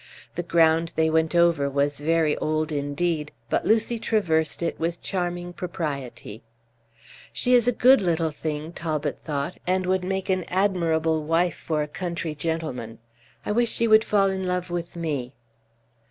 The ground they went over was very old indeed, but Lucy traversed it with charming propriety. Page 19 "She is a good little thing," Talbot thought, "and would make an admirable wife for a country gentleman. I wish she would fall in love with me."